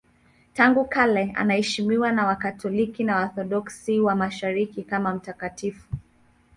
Tangu kale anaheshimiwa na Wakatoliki na Waorthodoksi wa Mashariki kama mtakatifu.